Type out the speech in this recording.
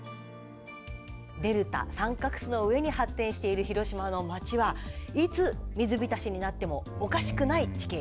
デルタ、三角州の上に発展してる広島の街はいつ水浸しになってもおかしくない地形です。